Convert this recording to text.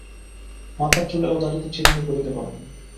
মাথার চুলে ও দাড়িতে চিরুনি করতে পারবেন।